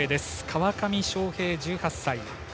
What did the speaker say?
川上翔平、１８歳。